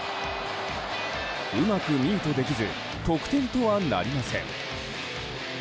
うまくミートできず得点とはなりません。